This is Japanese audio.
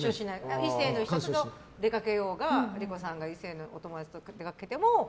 異性の人と出かけようが理子さんが異性の友達と出かけても。